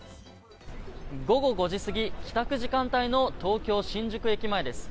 午後５時過ぎ帰宅時間帯の東京・新宿駅前です。